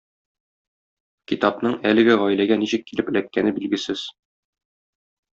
Китапның әлеге гаиләгә ничек килеп эләккәне билгесез.